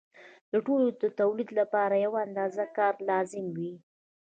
د ټولو د تولید لپاره یوه اندازه کار لازم وي